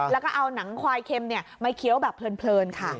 แล้วก็เอาหนังควายเค็มมาเคี้ยวแบบเพลินค่ะ